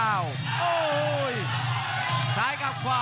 คมทุกลูกจริงครับโอ้โห